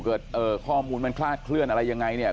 เกิดข้อมูลมันคลาดเคลื่อนอะไรยังไงเนี่ย